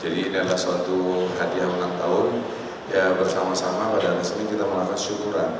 jadi ini adalah suatu hadiah enam tahun ya bersama sama pada hari ini kita melakukan syukuran